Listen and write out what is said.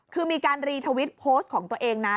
คือมีการรีทวิตโพสต์ของตัวเองนะ